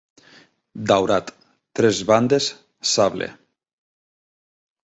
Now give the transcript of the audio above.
Daurat, tres bandes sable